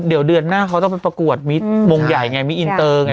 เดี๋ยวเดือนหน้าเขาต้องไปประกวดมงใหญ่ไงมิอินเตอร์ไง